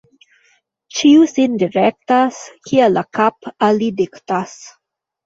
Ĉiu sin direktas, kiel la kap' al li diktas.